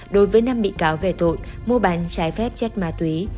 đối với năm bị cáo về tội mua bán trái phép chất máy